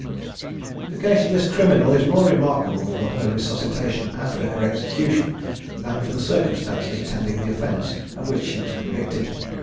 The case of this criminal is more remarkable for her resuscitation after her execution, than for the circumstances attending the offence of which she was convicted.